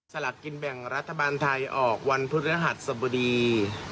สลักกินแบ่งรัฐบาลไทยออกวันพฤหัสสบดี